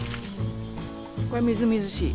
これみずみずしい。